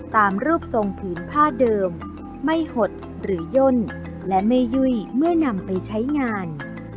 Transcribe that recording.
ตามรูปทรงผืนผ้าเดิมไม่หดหรือย่นและไม่ยุ่ยเมื่อนำไปใช้งาน